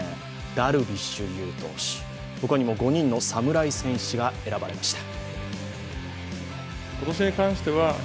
ダルビッシュ有投手、他にも５人の侍戦士が選ばれました。